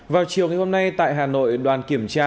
vào chiều ngày hôm nay tại hà nội đoàn kiểm tra